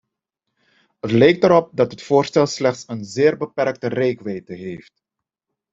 Het lijkt erop dat het voorstel slechts een zeer beperkte reikwijdte heeft.